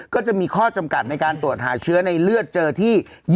ก็จะมีข้อจำกัดในการตรวจหาเชื้อในเลือดเจอที่